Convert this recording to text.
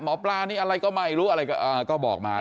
หมอปลานี่อะไรก็ไม่รู้อะไรก็อ่าก็บอกมานะคะ